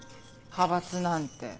派閥なんて。